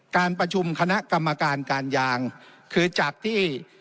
การประชุมคณะกรรมการการยางคือจากที่